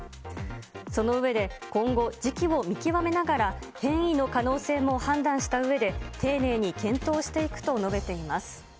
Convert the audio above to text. その上で、今後、時期を見極めながら、変異の可能性も判断したうえで、丁寧に検討していくと述べています。